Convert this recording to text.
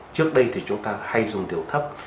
trước đây thì chúng ta hay dùng liều thấp